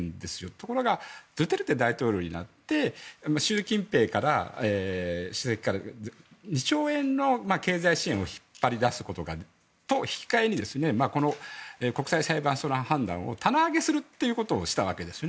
ところがドゥテルテ大統領になって習近平から２兆円の経済支援を引っ張り出すことを引き換えに国際裁判所の判断を棚上げしたわけです。